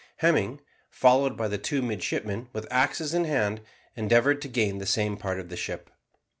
Hemming, followed by the two midshipmen with axes in hand, endeavoured to gain the same part of the ship.